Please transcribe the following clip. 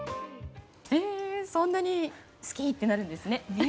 そんなに好きってなるんですね。